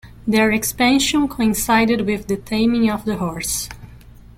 Their expansion coincided with the taming of the horse.